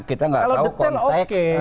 kita gak tahu konteks